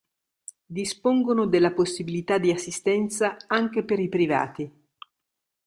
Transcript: Dispongono della possibilità di assistenza anche per i privati.